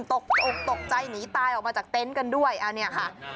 ตกอกตกใจหนีตายออกมาจากเต็นต์กันด้วยอันนี้ค่ะ